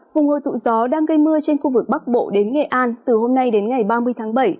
vùng hồi tụ gió đang gây mưa trên khu vực bắc bộ đến nghệ an từ hôm nay đến ngày ba mươi tháng bảy